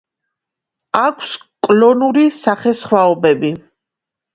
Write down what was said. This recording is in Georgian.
აქვს კლონური სახესხვაობები.